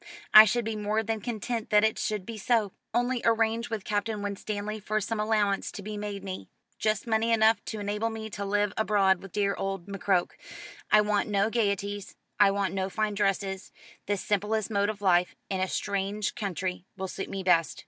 I should be more than content that it should be so. Only arrange with Captain Winstanley for some allowance to be made me just money enough to enable me to live abroad with dear old McCroke. I want no gaieties, I want no fine dresses, The simplest mode of life, in a strange country, will suit me best."